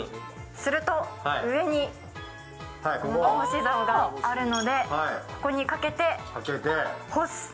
すると上に物干しざおがあるのでここにかけて干す。